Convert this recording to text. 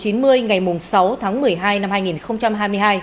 ngày sáu tháng một mươi hai năm hai nghìn hai mươi hai